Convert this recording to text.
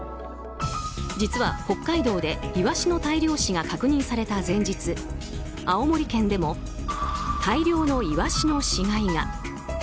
実は北海道でイワシの大量死が確認された前日青森県でも大量のイワシの死骸が。